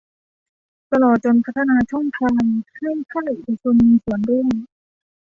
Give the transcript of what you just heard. ตลอดจนพัฒนาช่องทางให้ภาคเอกชนมีส่วนร่วม